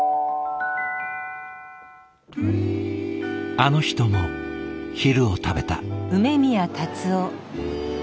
あの人も昼を食べた。